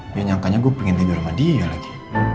ya nyangkanya gua pengen tidur sama dia lagi